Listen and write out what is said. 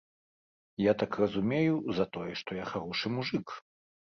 Я так разумею, за тое, што я харошы мужык.